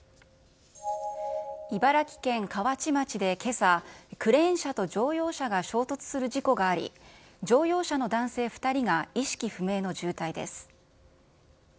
茨城県河内町でけさ、クレーン車と乗用車が衝突する事故があり、乗用車の男性２人が意識不明の重体です。